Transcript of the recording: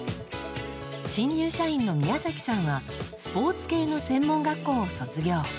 新入社員の宮崎さんはスポーツ系の専門学校を卒業。